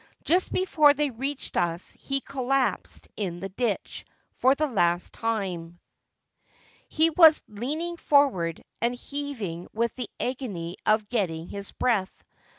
Just before they reached us he collapsed in the ditch — for the last time. He was leaning forward and heaving with the agony of getting his breath.